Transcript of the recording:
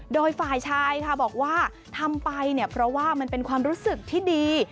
โดยฝ่ายชายค่ะบอกว่าทำไปเนี่ยเพราะว่ามันเป็นความรู้สึกที่ดี